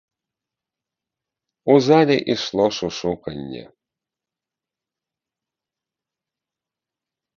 У зале ішло шушуканне.